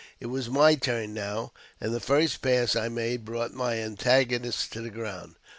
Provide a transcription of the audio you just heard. It was my turn now, and the first pass I made brought my antagonist to the ground.